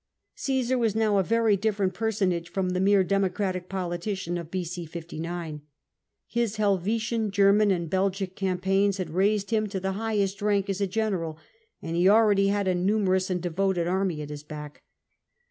Omsar was now a very different personage from the mere Democratic politician of B.O. 59. His Helvetian, German, and Belgic campaigns had raised him to the highest rank as a general, and he already had a numerous and devoted army at his back.